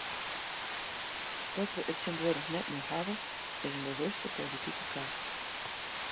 Dat we it tsjintwurdich net mear hawwe, is in bewuste politike kar.